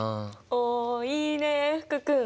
おいいね福君！